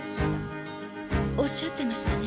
おっしゃってましたね。